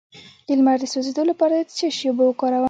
د لمر د سوځیدو لپاره د څه شي اوبه وکاروم؟